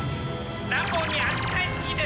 乱暴に扱いすぎです。